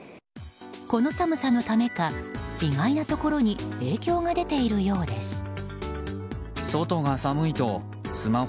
この寒さのためか意外なところに影響が出ているようです。